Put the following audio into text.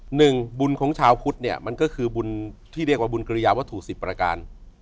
หนึ่งบุญของชาวพุทธเนี่ยมันก็คือบุญที่เรียกว่าบุญกริยาวัตถุสิบประการ